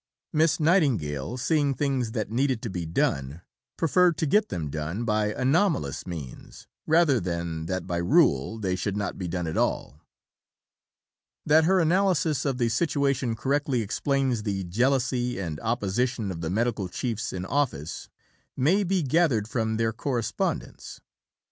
Miss Nightingale, seeing things that needed to be done, preferred to get them done by anomalous means rather than that by rule they should not be done at all. That her analysis of the situation correctly explains the jealousy and opposition of the Medical Chiefs in Office may be gathered from their correspondence.